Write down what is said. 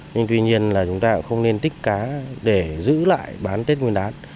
nhưng tuy nhiên là chúng ta cũng không nên tích cá để giữ lại bán tết nguyên đán